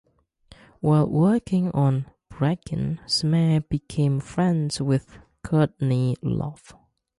While working on "Breakin", Smear became friends with Courtney Love.